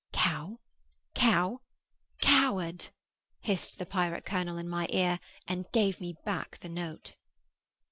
'Cow—cow—coward,' hissed the pirate colonel in my ear, and gave me back the note.